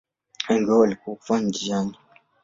Wengi wao walikufa njiani.